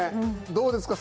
どうですか？